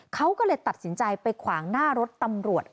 เขาก็เลยตัดสินใจไปขวางหน้ารถตำรวจ